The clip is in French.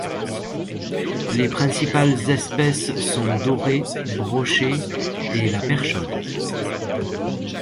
Les principales espèces sont doré, brochet et la perchaude.